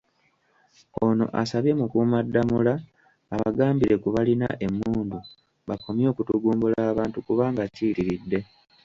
Ono asabye Mukuumaddamula abagambire ku balina emmundu bakomye okutugumbula abantu kubanga kiyitiridde.